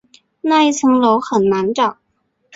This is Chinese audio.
那一层楼很难找